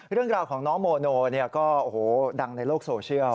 เรื่องราวของน้องโมโนก็โอ้โหดังในโลกโซเชียล